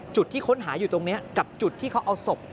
จุดที่ค้นหาอยู่ตรงนี้กับจุดที่เขาเอาศพ